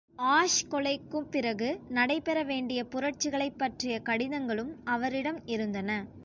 Ash கொலைக்கு பிறகும் நடைபெற வேண்டிய புரட்சிகளைப் பற்றிய கடிதங்களும் அவரிடம் இருந்தன.